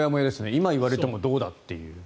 今言われてもっていう。